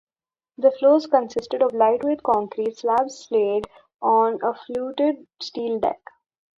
The floors consisted of lightweight concrete slabs laid on a fluted steel deck.